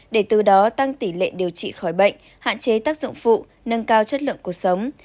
để từ đó tăng tỷ lệ điều trị khỏi bệnh hạn chế tác dụng phụ nâng cao chất lượng cuộc sống